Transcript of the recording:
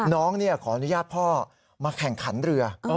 น้องขออนุญาตพ่อมาแข่งขันเรือ